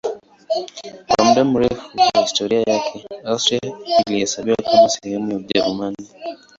Kwa muda mrefu wa historia yake Austria ilihesabiwa kama sehemu ya Ujerumani.